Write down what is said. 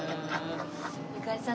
ゆかりさん